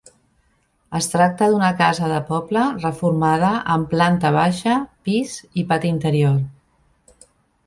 Es tracta d'una casa de poble, reformada amb planta baixa, pis i pati anterior.